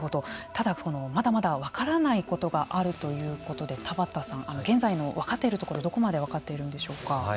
ただまだまだ分からないことがあるということで田畑さん現在の分かっているところどこまで分かっているんでしょうか。